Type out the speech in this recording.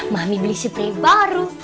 mami beli suprih baru